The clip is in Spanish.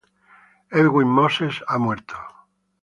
Edwin Moses ha muerto.